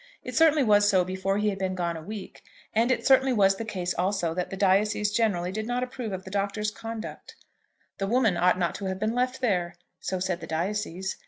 It certainly was so before he had been gone a week, and it certainly was the case also that the diocese generally did not approve of the Doctor's conduct. The woman ought not to have been left there. So said the diocese.